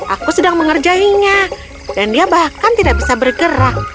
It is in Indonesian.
aku sedang mengerjainya dan dia bahkan tidak bisa bergerak